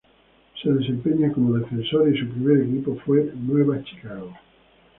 Se desempeña como defensor y su primer equipo fue Nueva Chicago.